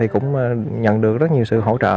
cũng nhận được rất nhiều sự hỗ trợ